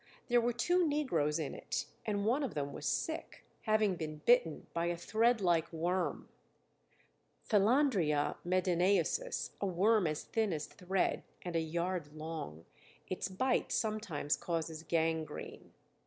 There were two negroes in it and one of them was sick, having been bitten by a thread like worm.* [* Filandria medineusis, a worm as thin as thread, and a yard long. Its bite sometimes causes gangrene.